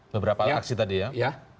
beberapa aksi tadi ya